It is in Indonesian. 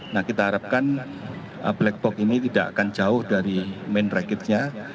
nah kita harapkan black box ini tidak akan jauh dari main racketnya